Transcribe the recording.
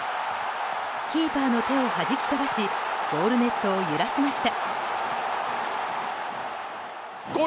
キーパーの手を弾き飛ばしゴールネットを揺らしました。